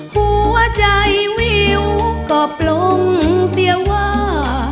หัวใจวิวก็ปลงเสียงว่า